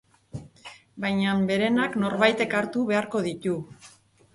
Bainan berenak norbaitek hartu beharko ditu.